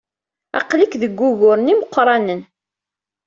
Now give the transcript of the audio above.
Aql-ik deg wuguren imeqranen.